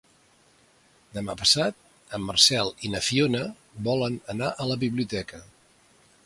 Demà passat en Marcel i na Fiona volen anar a la biblioteca.